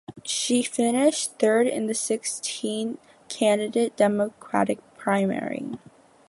She finished third in the sixteen candidate Democratic primary.